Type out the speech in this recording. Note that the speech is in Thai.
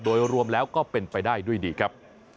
โดยรวมแล้วก็เป็นไปได้ด้วยดีครับ